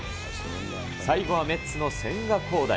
最後はメッツの千賀滉大。